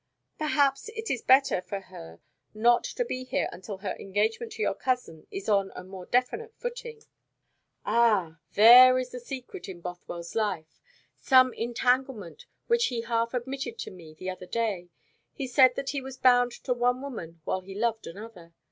"Perhaps it is better for her not to be here until her engagement to your cousin is on a more definite footing." "Ah, there is the secret in Bothwell's life some entanglement which he half admitted to me the other day. He said that he was bound to one woman while he loved another.